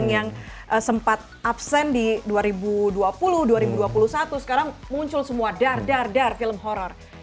yang sempat absen di dua ribu dua puluh dua ribu dua puluh satu sekarang muncul semua dar dar dar film horror